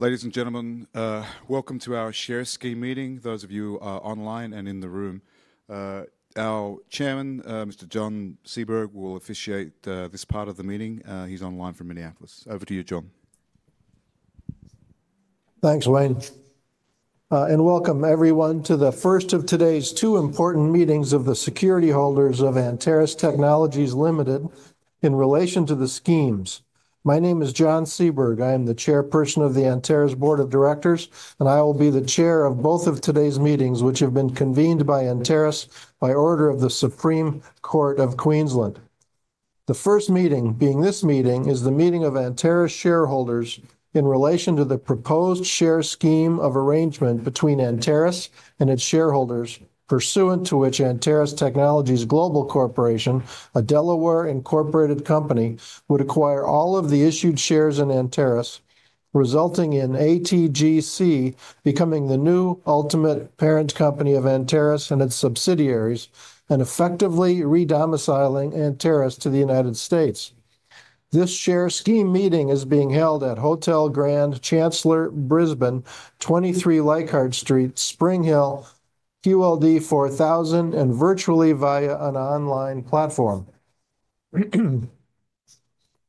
Ladies and gentlemen, welcome to our Share Scheme Meeting. Those of you online and in the room, our chairman, Mr. John Seaberg, will officiate this part of the meeting. He's online from Minneapolis. Over to you, John. Thanks, Wayne. Welcome, everyone, to the first of today's two important meetings of the security holders of Anteris Technologies Limited in relation to the schemes. My name is John Seaberg. I am the chairperson of the Anteris Board of Directors, and I will be the chair of both of today's meetings, which have been convened by Anteris by order of the Supreme Court of Queensland. The first meeting, being this meeting, is the meeting of Anteris shareholders in relation to the proposed Share Scheme of arrangement between Anteris and its shareholders, pursuant to which Anteris Technologies Global Corporation, a Delaware-incorporated company, would acquire all of the issued shares in Anteris, resulting in ATGC becoming the new ultimate parent company of Anteris and its subsidiaries, and effectively redomiciling Anteris to the United States. Share Scheme Meeting is being held at Hotel Grand Chancellor, Brisbane, 23 Leichhardt Street, Spring Hill, QLD 4000, and virtually via an online platform.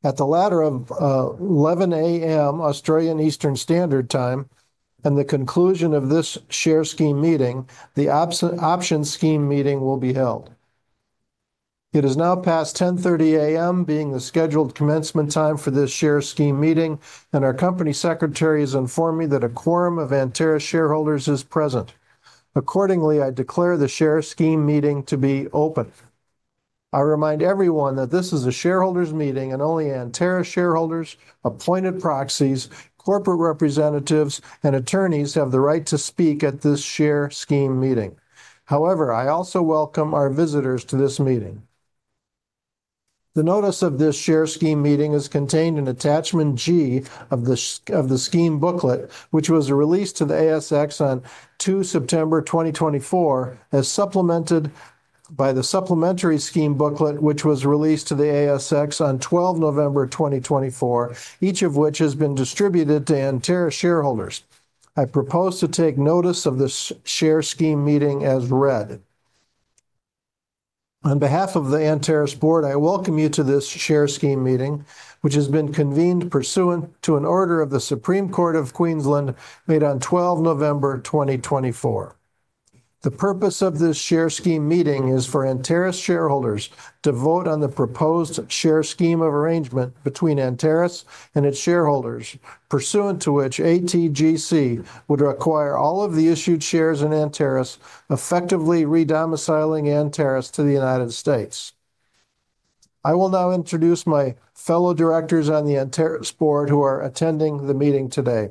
At the latter of 11:00 A.M. Australian Eastern Standard Time and the conclusion of Share Scheme Meeting, the Option Scheme Meeting will be held. It is now past 10:30 A.M., being the scheduled commencement time for Share Scheme Meeting, and our company secretary has informed me that a quorum of Anteris shareholders is present. Accordingly, I declare Share Scheme Meeting to be open. I remind everyone that this is a shareholders' meeting, and only Anteris shareholders, appointed proxies, corporate representatives, and attorneys have the right to speak at Share Scheme Meeting. However, I also welcome our visitors to this meeting. The notice of Share Scheme Meeting is contained in Attachment G of the Scheme Booklet, which was released to the ASX on 2 September 2024, as supplemented by the Supplementary Scheme Booklet, which was released to the ASX on 12 November 2024, each of which has been distributed to Anteris shareholders. I propose to take notice of Share Scheme Meeting as read. On behalf of the Anteris Board, I welcome you to Share Scheme Meeting, which has been convened pursuant to an order of the Supreme Court of Queensland made on 12 November 2024. The purpose of Share Scheme Meeting is for Anteris shareholders to vote on the proposed Share Scheme of arrangement between Anteris and its shareholders, pursuant to which ATGC would acquire all of the issued shares in Anteris, effectively redomiciling Anteris to the United States. I will now introduce my fellow directors on the Anteris Board who are attending the meeting today.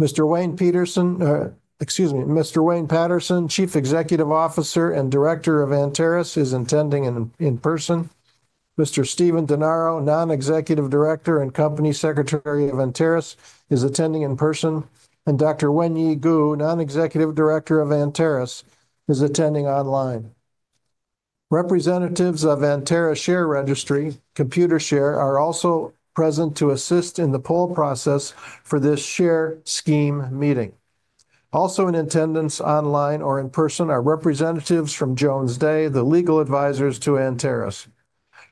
Mr. Wayne Paterson, excuse me, Mr. Wayne Paterson, Chief Executive Officer and Director of Anteris, is attending in person. Mr. Stephen Denaro, Non-Executive Director and Company Secretary of Anteris, is attending in person, and Dr. Wenyi Gu, Non-Executive Director of Anteris, is attending online. Representatives of Anteris Share Registry, Computershare, are also present to assist in the poll process for Share Scheme Meeting. Also in attendance online or in person are representatives from Jones Day, the legal advisors to Anteris.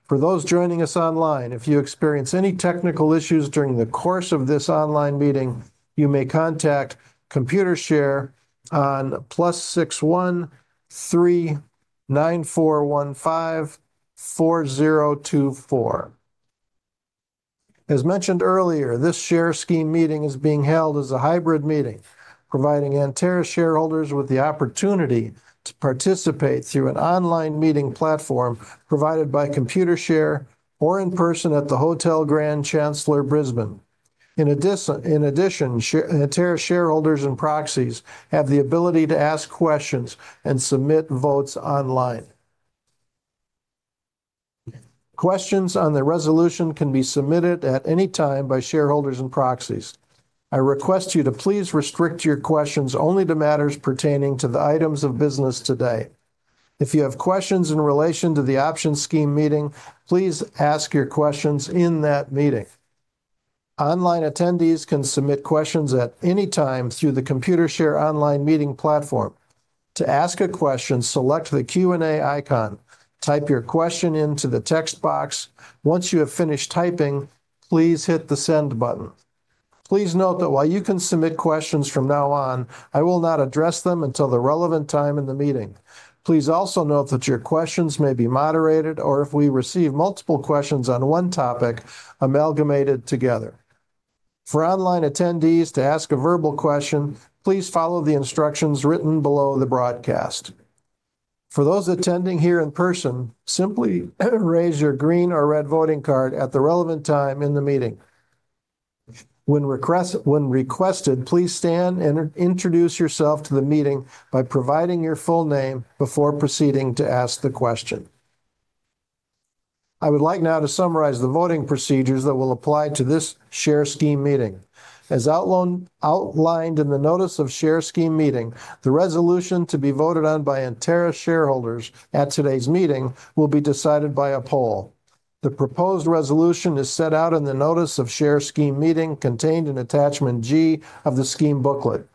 For those joining us online, if you experience any technical issues during the course of this online meeting, you may contact Computershare on +61 39415 4024. As mentioned earlier, Share Scheme Meeting is being held as a hybrid meeting, providing Anteris shareholders with the opportunity to participate through an online meeting platform provided by Computershare or in person at the Hotel Grand Chancellor, Brisbane. In addition, Anteris shareholders and proxies have the ability to ask questions and submit votes online. Questions on the resolution can be submitted at any time by shareholders and proxies. I request you to please restrict your questions only to matters pertaining to the items of business today. If you have questions in relation to the Option Scheme Meeting, please ask your questions in that meeting. Online attendees can submit questions at any time through the Computershare online meeting platform. To ask a question, select the Q&A icon, type your question into the text box. Once you have finished typing, please hit the send button. Please note that while you can submit questions from now on, I will not address them until the relevant time in the meeting. Please also note that your questions may be moderated or, if we receive multiple questions on one topic, amalgamated together. For online attendees to ask a verbal question, please follow the instructions written below the broadcast. For those attending here in person, simply raise your green or red voting card at the relevant time in the meeting. When requested, please stand and introduce yourself to the meeting by providing your full name before proceeding to ask the question. I would like now to summarize the voting procedures that will apply to Share Scheme Meeting. As outlined in the notice Share Scheme Meeting, the resolution to be voted on by Anteris shareholders at today's meeting will be decided by a poll. The proposed resolution is set out in the notice Share Scheme Meeting contained in Attachment G of the Scheme Booklet.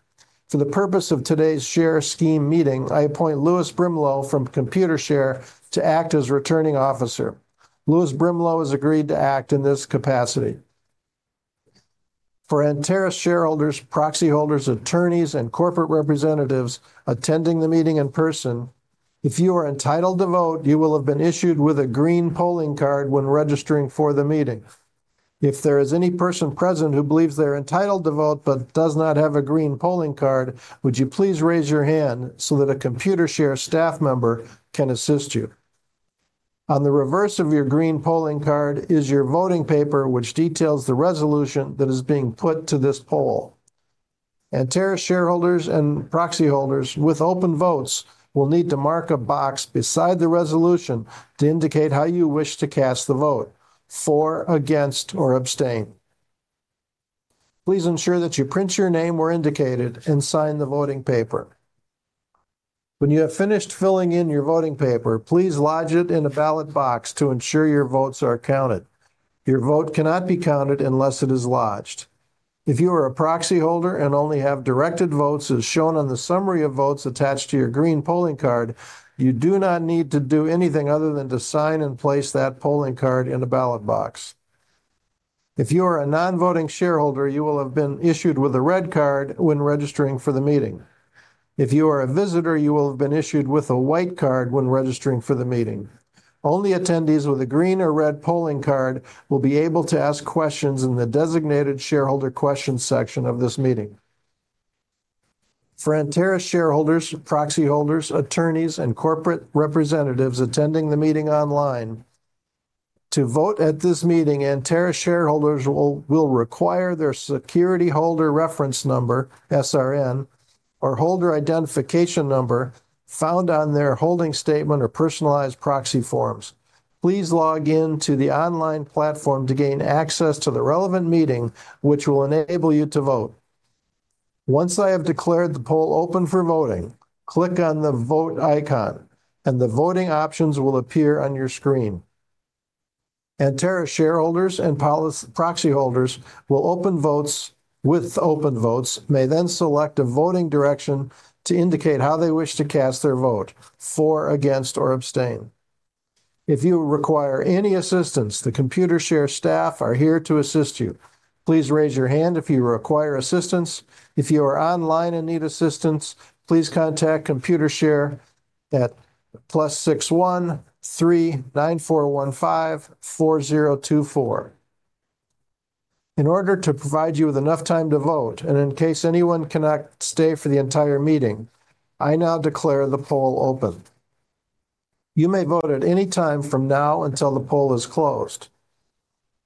For the purpose of Share Scheme Meeting, I appoint Lewis Brimelow from Computershare to act as returning officer. Lewis Brimelow has agreed to act in this capacity. For Anteris shareholders, proxy holders, attorneys, and corporate representatives attending the meeting in person, if you are entitled to vote, you will have been issued with a green polling card when registering for the meeting. If there is any person present who believes they are entitled to vote but does not have a green polling card, would you please raise your hand so that a Computershare staff member can assist you? On the reverse of your green polling card is your voting paper, which details the resolution that is being put to this poll. Anteris shareholders and proxy holders with open votes will need to mark a box beside the resolution to indicate how you wish to cast the vote: for, against, or abstain. Please ensure that you print your name where indicated and sign the voting paper. When you have finished filling in your voting paper, please lodge it in a ballot box to ensure your votes are counted. Your vote cannot be counted unless it is lodged. If you are a proxy holder and only have directed votes, as shown on the summary of votes attached to your green polling card, you do not need to do anything other than to sign and place that polling card in a ballot box. If you are a non-voting shareholder, you will have been issued with a red card when registering for the meeting. If you are a visitor, you will have been issued with a white card when registering for the meeting. Only attendees with a green or red polling card will be able to ask questions in the designated shareholder question section of this meeting. For Anteris shareholders, proxy holders, attorneys, and corporate representatives attending the meeting online, to vote at this meeting, Anteris shareholders will require their Securityholder Reference Number, SRN, or Holder Identification Number found on their holding statement or personalized proxy forms. Please log into the online platform to gain access to the relevant meeting, which will enable you to vote. Once I have declared the poll open for voting, click on the vote icon, and the voting options will appear on your screen. Anteris shareholders and proxy holders will open votes with open votes, may then select a voting direction to indicate how they wish to cast their vote: for, against, or abstain. If you require any assistance, the Computershare staff are here to assist you. Please raise your hand if you require assistance. If you are online and need assistance, please contact Computershare at +61 39415 4024. In order to provide you with enough time to vote, and in case anyone cannot stay for the entire meeting, I now declare the poll open. You may vote at any time from now until the poll is closed.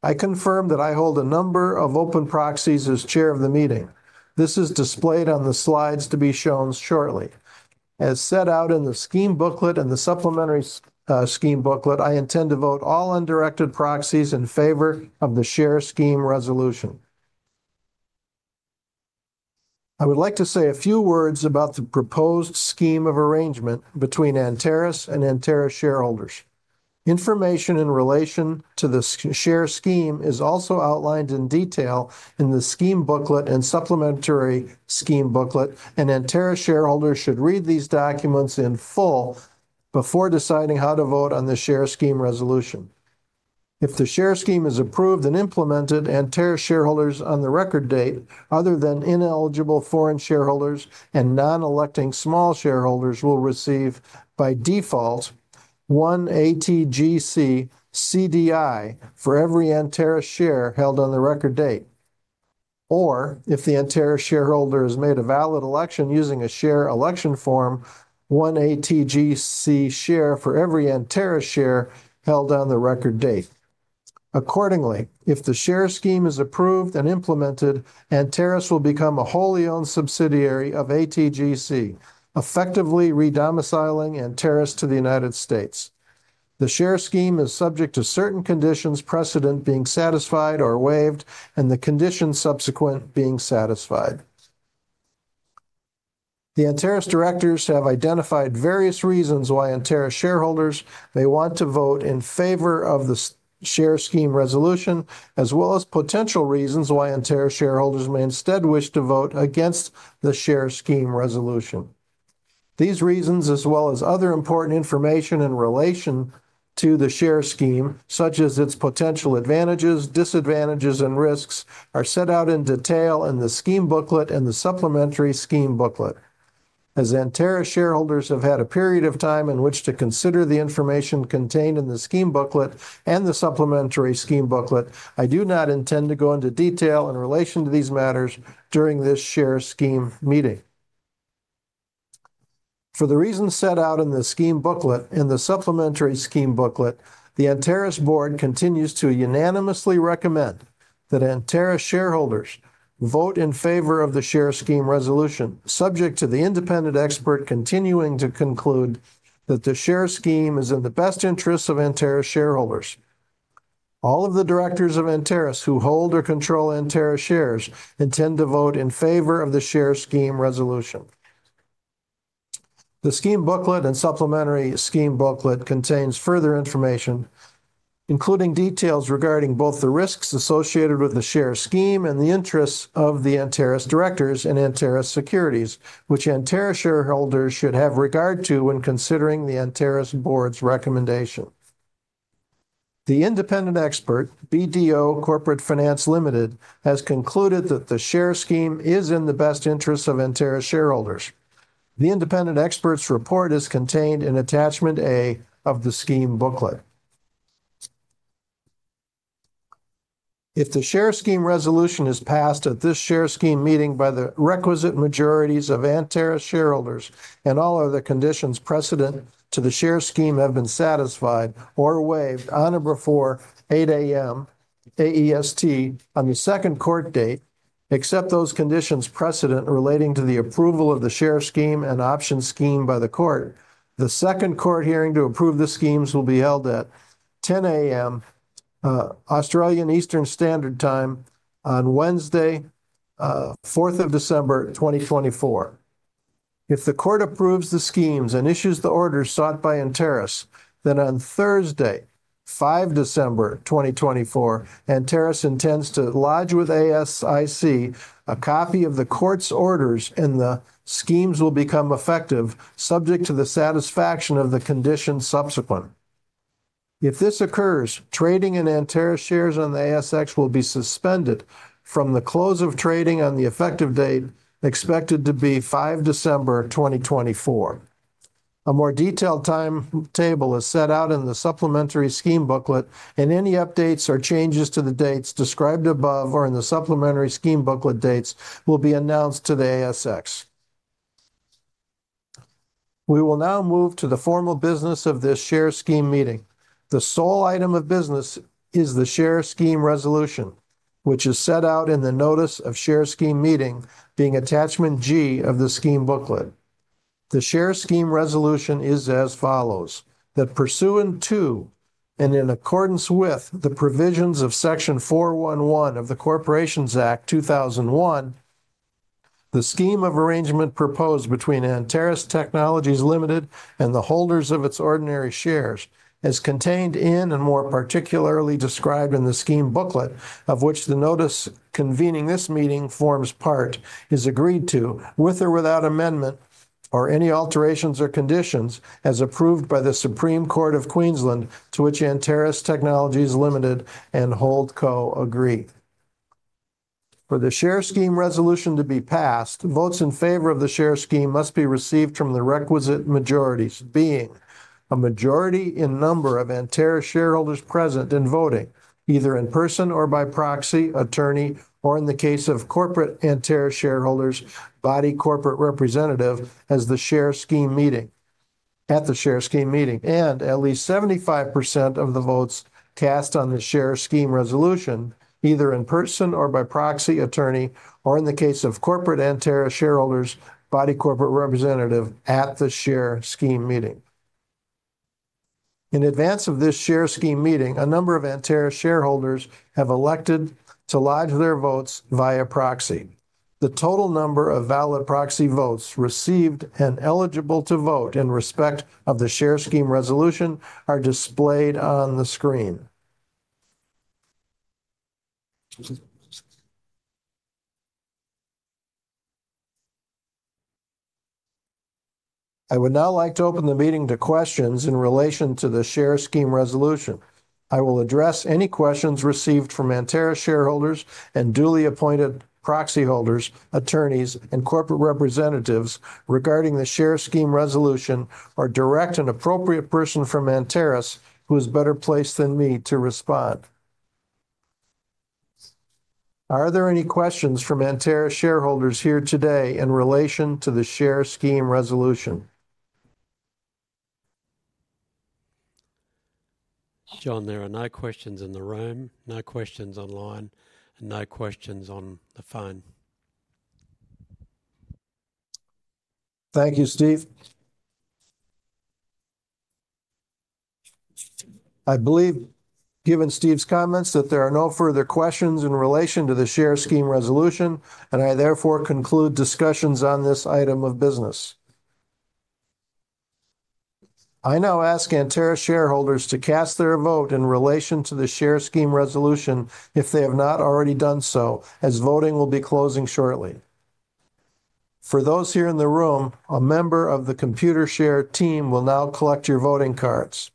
I confirm that I hold a number of open proxies as chair of the meeting. This is displayed on the slides to be shown shortly. As set out in the Scheme Booklet and the Supplementary Scheme Booklet, I intend to vote all undirected proxies in favor of the Share Scheme resolution. I would like to say a few words about the proposed scheme of arrangement between Anteris and Anteris shareholders. Information in relation to the Share Scheme is also outlined in detail in the Scheme Booklet and Supplementary Scheme Booklet, and Anteris shareholders should read these documents in full before deciding how to vote on the Share Scheme resolution. If the Share Scheme is approved and implemented, Anteris shareholders on the Record Date, other than ineligible foreign shareholders and non-electing small shareholders, will receive by default one ATGC CDI for every Anteris share held on the Record Date, or, if the Anteris shareholder has made a valid election using a Share Election Form, one ATGC share for every Anteris share held on the Record Date. Accordingly, if the Share Scheme is approved and implemented, Anteris will become a wholly owned subsidiary of ATGC, effectively redomiciling Anteris to the United States. The Share Scheme is subject to certain conditions, precedent being satisfied or waived, and the conditions subsequent being satisfied. The Anteris directors have identified various reasons why Anteris shareholders may want to vote in favor of the Share Scheme resolution, as well as potential reasons why Anteris shareholders may instead wish to vote against the Share Scheme resolution. These reasons, as well as other important information in relation to the Share Scheme, such as its potential advantages, disadvantages, and risks, are set out in detail in the Scheme Booklet and the Supplementary Scheme Booklet. As Anteris shareholders have had a period of time in which to consider the information contained in the Scheme Booklet and the Supplementary Scheme Booklet, I do not intend to go into detail in relation to these matters during this Share Scheme Meeting. For the reasons set out in the Scheme Booklet and the Supplementary Scheme Booklet, the Anteris Board continues to unanimously recommend that Anteris shareholders vote in favor of the Share Scheme Resolution, subject to the independent expert continuing to conclude that the Share Scheme is in the best interests of Anteris shareholders. All of the directors of Anteris who hold or control Anteris shares intend to vote in favor of the Share Scheme Resolution. The Scheme Booklet and Supplementary Scheme Booklet contains further information, including details regarding both the risks associated with the Share Scheme and the interests of the Anteris directors and Anteris securities, which Anteris shareholders should have regard to when considering the Anteris Board's recommendation. The independent expert, BDO Corporate Finance Limited, has concluded that the Share Scheme is in the best interests of Anteris shareholders. The independent expert's report is contained in Attachment A of the Scheme Booklet. If the Share Scheme Resolution is passed at Share Scheme Meeting by the requisite majorities of Anteris shareholders and all other conditions precedent to the Share Scheme have been satisfied or waived on or before 8:00 A.M. AEST on the second court date, except those conditions precedent relating to the approval of the Share Scheme and Option Scheme by the court, the second court hearing to approve the schemes will be held at 10:00 A.M. Australian Eastern Standard Time on Wednesday, 4th of December 2024. If the court approves the schemes and issues the orders sought by Anteris, then on Thursday, 5 December 2024, Anteris intends to lodge with ASIC a copy of the court's orders, and the schemes will become effective, subject to the satisfaction of the conditions subsequent. If this occurs, trading in Anteris shares on the ASX will be suspended from the close of trading on the effective date expected to be 5 December 2024. A more detailed timetable is set out in the Supplementary Scheme Booklet, and any updates or changes to the dates described above or in the Supplementary Scheme Booklet dates will be announced to the ASX. We will now move to the formal business of Share Scheme Meeting. The sole item of business is the Share Scheme resolution, which is set out in the notice Share Scheme Meeting being Attachment G of the Scheme Booklet. The Share Scheme Resolution is as follows: that pursuant to and in accordance with the provisions of Section 411 of the Corporations Act 2001, the scheme of arrangement proposed between Anteris Technologies Limited and the holders of its ordinary shares as contained in and more particularly described in the Scheme Booklet of which the notice convening this meeting forms part is agreed to with or without amendment or any alterations or conditions as approved by the Supreme Court of Queensland, to which Anteris Technologies Limited and Holdco agree. For the Share Scheme resolution to be passed, votes in favor of the Share Scheme must be received from the requisite majorities, being a majority in number of Anteris shareholders present and voting either in person or by proxy, attorney, or in the case of corporate Anteris shareholders, body corporate representative at the Share Scheme Meeting. At Share Scheme Meeting, and at least 75% of the votes cast on the Share Scheme Resolution, either in person or by proxy, attorney, or in the case of corporate Anteris shareholders, body corporate representative at Share Scheme Meeting. In advance of Share Scheme Meeting, a number of Anteris shareholders have elected to lodge their votes via proxy. The total number of valid proxy votes received and eligible to vote in respect of the Share Scheme Resolution are displayed on the screen. I would now like to open the meeting to questions in relation to the Share Scheme Resolution. I will address any questions received from Anteris shareholders and duly appointed proxy holders, attorneys, and corporate representatives regarding the Share Scheme resolution, or direct an appropriate person from Anteris who is better placed than me to respond. Are there any questions from Anteris shareholders here today in relation to the Share Scheme Resolution? John, there are no questions in the room, no questions online, and no questions on the phone. Thank you, Steph. I believe, given Steph's comments, that there are no further questions in relation to the Share Scheme Resolution, and I therefore conclude discussions on this item of business. I now ask Anteris shareholders to cast their vote in relation to the Share Scheme Resolution if they have not already done so, as voting will be closing shortly. For those here in the room, a member of the Computershare team will now collect your voting cards.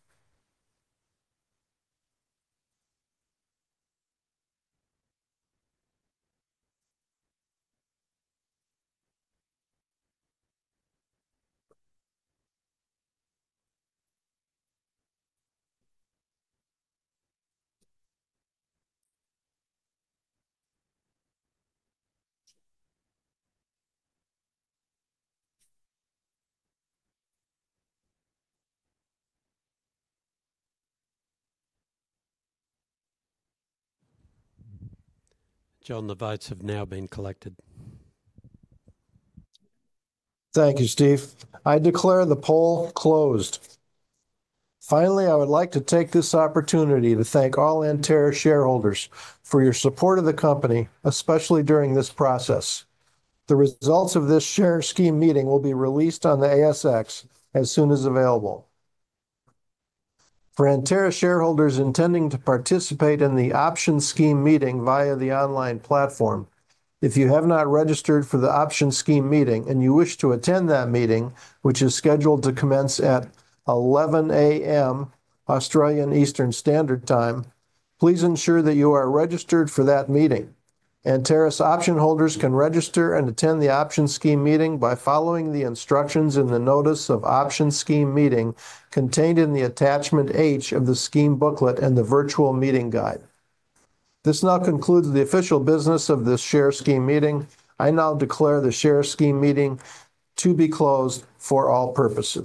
John, the votes have now been collected. Thank you, Steph. I declare the poll closed. Finally, I would like to take this opportunity to thank all Anteris shareholders for your support of the company, especially during this process. The results of Share Scheme Meeting will be released on the ASX as soon as available. For Anteris shareholders intending to participate in the Option Scheme Meeting via the online platform, if you have not registered for the Option Scheme Meeting and you wish to attend that meeting, which is scheduled to commence at 11:00 A.M. Australian Eastern Standard Time, please ensure that you are registered for that meeting. Anteris option holders can register and attend the Option Scheme Meeting by following the instructions in the notice of Option Scheme Meeting contained in the Attachment H of the Scheme Booklet and the Virtual Meeting Guide. This now concludes the official business of this Share Scheme Meeting. I now declare Share Scheme Meeting to be closed for all purposes.